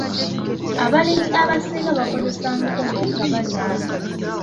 Abalimi abasinga bakozesa nkumbi nga balima.